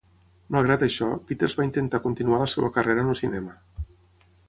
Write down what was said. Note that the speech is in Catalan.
Malgrat això, Peters va intentar continuar la seva carrera en el cinema.